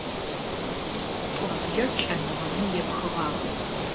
Пӏуаблэр лӏэныгъэми епхыгъагъ.